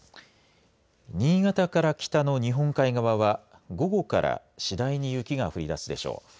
新潟から北の日本海側は午後から次第に雪が降りだすでしょう。